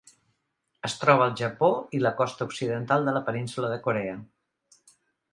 Es troba al Japó i la costa occidental de la Península de Corea.